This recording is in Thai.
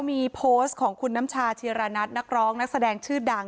มีโพสต์ของคุณน้ำชาชีรณัทนักร้องนักแสดงชื่อดัง